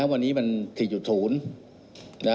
วันนี้มันถีดฐูน